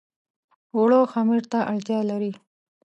اوړه خمیر ته اړتيا لري